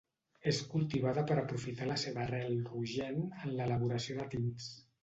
És cultivada per aprofitar la seva rel rogent en l'elaboració de tints.